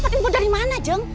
dapat impor dari mana jeng